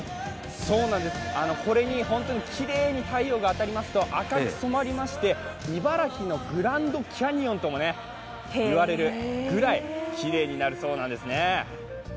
これに本当にきれいに太陽が当たりますと赤く染まりまして茨城のグランドキャニオンとも言われるぐらいきれいになるそうなんですね。